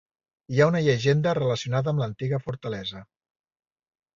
Hi ha una llegenda relacionada amb l'antiga fortalesa.